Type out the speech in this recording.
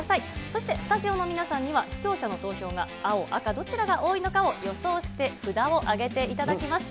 そしてスタジオの皆さんには、視聴者の投票が青、赤どちらが多いのかを予想して、札を上げていただきます。